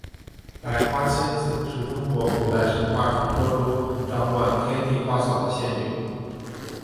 百花仙子是中国古代神话传说中掌管天地花草的仙女。